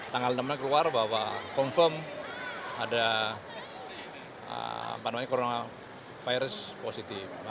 tanggal enam keluar bahwa confirm ada virus corona positif